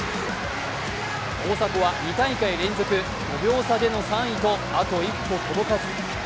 大迫は２大会連続、５秒差での３位とあと一歩届かず。